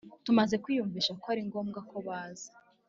Tumaze kwiyunvisha ko ari ngombwa ko baza